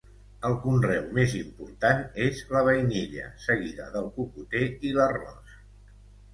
El conreu més important és la vainilla, seguida del cocoter i l'arròs.